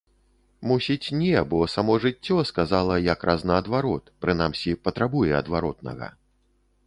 Мусіць, не, бо само жыццё сказала якраз наадварот, прынамсі, патрабуе адваротнага.